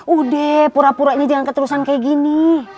udah pura puranya jangan keterusan kayak gini